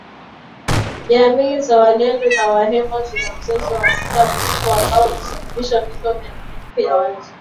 Jamii za walendu na wahema zina mzozo wa muda mrefu ambao ulisababishwa vifo vya maelfu ya watu